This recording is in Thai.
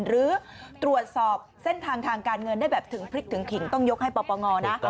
หรือตรวจสอบเส้นทางทางการเงินได้แบบถึงพริกถึงขิงต้องยกให้ปปงนะ